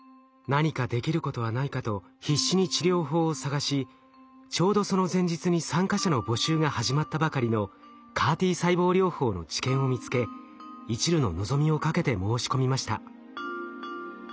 何かできることはないかと必死に治療法を探しちょうどその前日に参加者の募集が始まったばかりのＣＡＲ−Ｔ細胞療法の治験を見つけいちるの望みをかけて申し込みました。